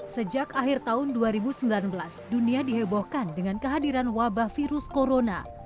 sejak akhir tahun dua ribu sembilan belas dunia dihebohkan dengan kehadiran wabah virus corona